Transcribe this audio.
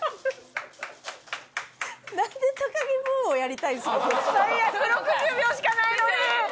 なんで高木ブーをやりたいんですか？